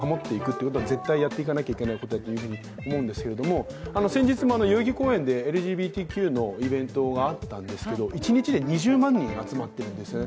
やはり性的少数派の皆さんの権利や平等性を保っていくというのは絶対やっていかなければならないことだと思うんですけれども先日も代々木公園でＬＧＢＴＱのイベントがあったんですが一日で２０万人集まっているんですよね。